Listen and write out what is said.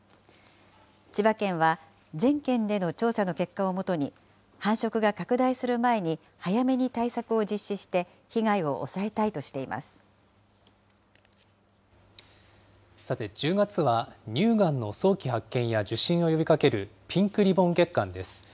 千葉県は全県での調査の結果をもとに、繁殖が拡大する前に早めに対策を実施して、さて、１０月は乳がんの早期発見や受診を呼びかけるピンクリボン月間です。